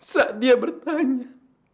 saat dia bertanya